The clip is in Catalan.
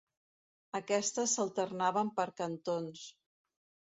Aquestes s'alternaven per cantons.